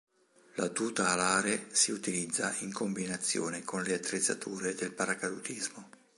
La tuta alare si utilizza in combinazione con le attrezzature del paracadutismo.